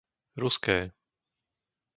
Ruské